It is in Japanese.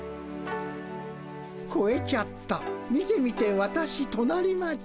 「こえちゃった見て見て私隣町」。